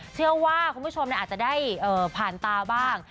เชื่อว่าคุณผู้ชมอาจจะได้ผ่านตาบ้าง